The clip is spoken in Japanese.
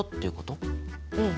うん。